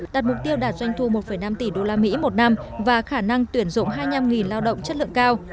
đạt mục tiêu đạt doanh thu một năm tỷ usd một năm và khả năng tuyển dụng hai nghìn lao động chất lượng cao